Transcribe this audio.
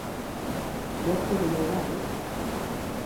Wêr komme jo wei?